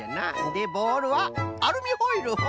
でボールはアルミホイルホホ。